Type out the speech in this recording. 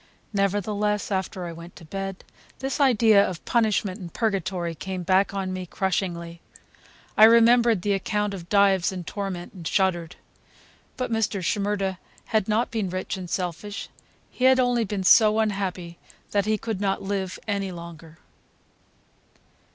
Nevertheless, after I went to bed, this idea of punishment and Purgatory came back on me crushingly. I remembered the account of Dives in torment, and shuddered. But Mr. Shimerda had not been rich and selfish; he had only been so unhappy that he could not live any longer.